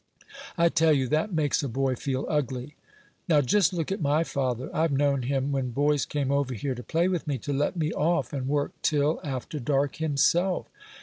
I tell you, that makes a boy feel ugly. Now, just look at my father; I've known him, when boys came over here to play with me, to let me off, and work till after dark himself.